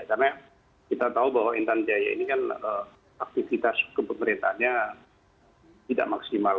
karena kita tahu bahwa intan jaya ini kan aktivitas kebeneranitanya tidak maksimal